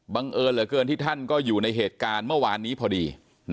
บังเอิญเหลือเกินที่ท่านก็อยู่ในเหตุการณ์เมื่อวานนี้พอดี